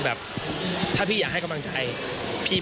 แต่ถ้าที่อยากด่ามันมาด่าผม